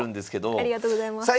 おっありがとうございます。